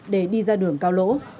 để đi ra đường cao lỗ